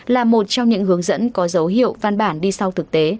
là một trong những hướng dẫn có dấu hiệu văn bản đi sau thực tế